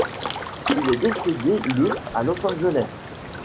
Il est décédé le à Los Angeles.